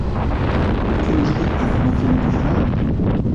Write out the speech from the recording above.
Que nos di a información nutricional?